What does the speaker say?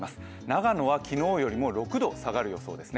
長野は昨日よりも６度下がる予想です。